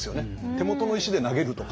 手元の石で投げるとか。